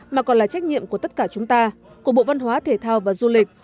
mà còn là trách nhiệm của tất cả chúng ta của bộ văn hóa thể thao và du lịch